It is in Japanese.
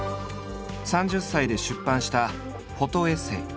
３０歳で出版したフォトエッセイ。